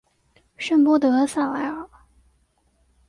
圣波德萨莱尔。